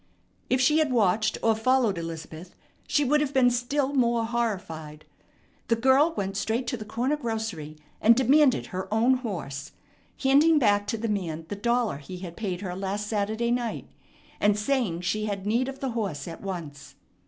If she had watched or followed Elizabeth, she would have been still more horrified. The girl went straight to the corner grocery, and demanded her own horse, handing back to the man the dollar he had paid her last Saturday night, and saying she had need of the horse at once.